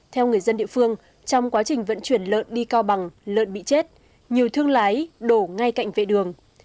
theo người dân địa phương trong quá trình vận chuyển lợn đi cao bằng lợn bị chết nhiều thương lái đổ ngay cạnh vệ đường